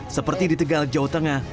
seperti di tegal jawa tengah